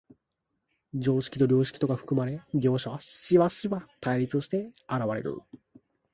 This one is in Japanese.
常識と良識とが含まれ、両者はしばしば対立して現れる。